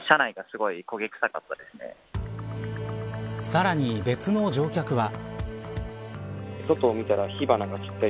さらに別の乗客は。